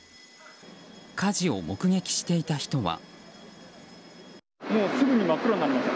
火事を目撃していた人は。